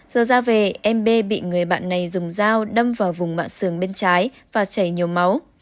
giờ ra về em b bị người bạn này dùng dao đâm vào vùng mạng sườn bên trái và chảy nhiều máu